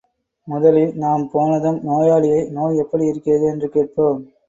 முதலில் நாம் போனதும் நோயாளியை, நோய் எப்படி இருக்கிறது —என்று கேட்போம்.